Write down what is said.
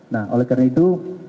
nah oleh karena itu